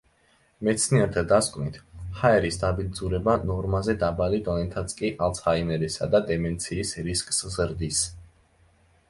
მეცნიერთა დასკვნით, ჰაერის დაბინძურება ნორმაზე დაბალი დონითაც კი ალცჰაიმერისა და დემენციის რისკს ზრდის.